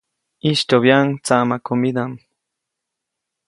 ʼYistyoʼbyaʼuŋ tsaʼmakomidaʼm.